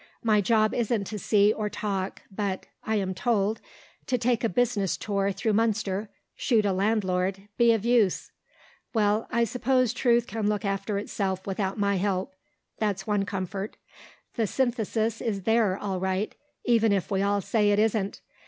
My job isn't to see or talk, but (I am told) to 'take a business tour through Munster, shoot a landlord, be of use.' ... Well, I suppose truth can look after itself without my help; that's one comfort. The synthesis is there all right, even if we all say it isn't....